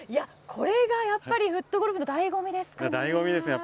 これがやっぱりフットゴルフのだいご味ですかね？